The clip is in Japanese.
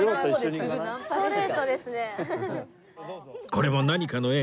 これも何かの縁